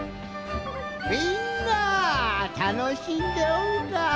みんなたのしんでおるか。